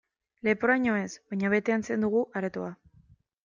Leporaino ez, baina bete antzean dago aretoa.